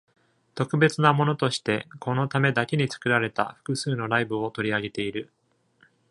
特別なものとして、このためだけに作られた複数のライブを取り上げている。